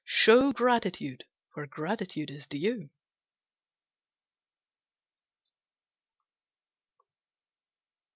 Show gratitude where gratitude is due.